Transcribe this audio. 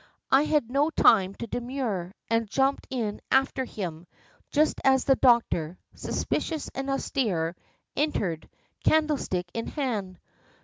I had no time to demur, and jumped in after him, just as the doctor, suspicious and austere, entered, candlestick in hand.